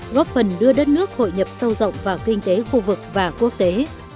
góp phần đưa đất nước hội nhập sâu rộng vào kinh tế khu vực và quốc tế